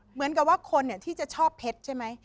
เหมือนกับว่าคนที่จะชอบเพชรใช่ไหม